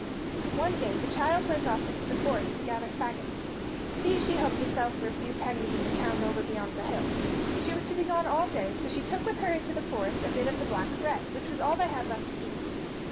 One day the child went off into the forest to gather fagots. These she hoped to sell for a few pennies in the town over beyond the hill. She was to be gone all day, so she took with her into the forest a bit of the black bread, which was all they had left to eat.